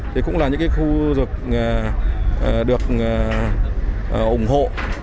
đây cũng là những khu rừng được ủng hộ